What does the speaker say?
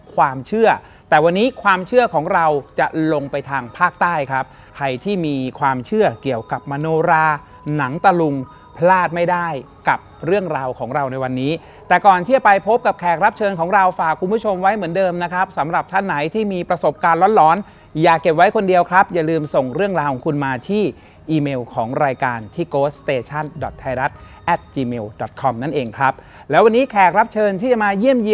ความเชื่อแต่วันนี้ความเชื่อของเราจะลงไปทางภาคใต้ครับใครที่มีความเชื่อเกี่ยวกับมโนราหนังตะลุงพลาดไม่ได้กับเรื่องราวของเราในวันนี้แต่ก่อนที่จะไปพบกับแขกรับเชิญของเราฝากคุณผู้ชมไว้เหมือนเดิมนะครับสำหรับท่านไหนที่มีประสบการณ์ร้อนอย่าเก็บไว้คนเดียวครับอย่าลืมส่งเรื่องราวของคุณมาที่อีเม